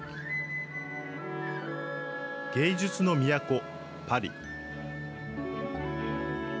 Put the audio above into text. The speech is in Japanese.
芸術の都、パリ。